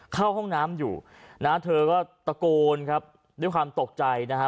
เข้าห้องน้ำอยู่นะเธอก็ตะโกนครับด้วยความตกใจนะฮะ